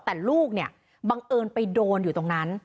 แต่ลูกเนี่ยบังเอิญไปโดนอยู่ตรงนั้น